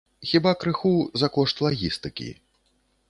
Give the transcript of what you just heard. Хіба, крыху за кошт лагістыкі.